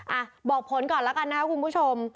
อ่ะบอกผลก่อนแล้วกันนะครับคุณผู้ชม